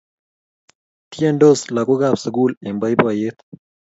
Tiendos lagokab sukul eng boiboiyet